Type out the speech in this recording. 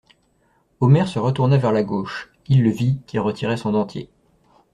Omer se retourna vers la gauche: il le vit qui retirait son dentier.